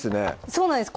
そうなんです